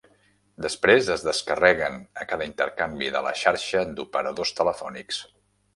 Després es descarreguen a cada intercanvi de la xarxa d"operadors telefònics.